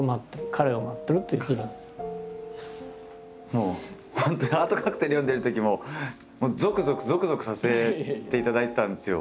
もう本当に「ハートカクテル」読んでるときもゾクゾクゾクゾクさせていただいてたんですよ